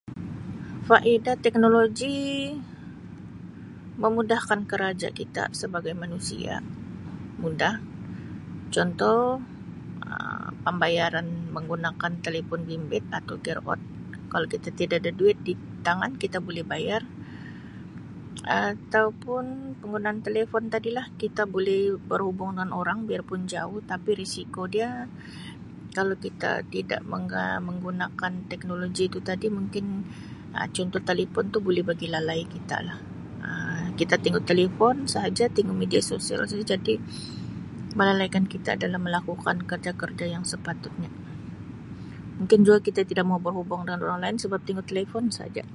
Faedah teknologi memudahkan keraja kita sebagai manusia mudah contoh Um pembayaran menggunakan telefon bimbit atau QR code kalau kita tida ada duit di tangan kita buli bayar atau pun penggunaan telefon tadi lah kita boleh berhubung dengan orang biar pun jauh tapi risiko dia kalau kita tidak menga-menggunakan teknologi itu tadi mungkin Um contoh talipun tu buli bagi lalai kita lah Um kita tingu talipun sahaja kita tingu media sosial saja jadi melalaikan kita dalam melakukan kerja kerja yang sepatutnya mungkin juga kita tidak mau berhubung dengan orang lain sebab tingu telefon saja.